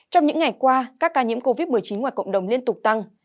trong những ngày qua các ca nhiễm covid một mươi chín ngoài cộng đồng liên tục tăng